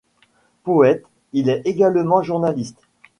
Poète, il est également journaliste.